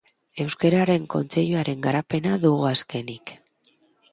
Euskararen Kontseiluaren garapena dugu azkenik.